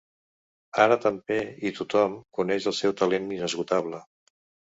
Ara també i tothom coneix el seu talent inesgotable.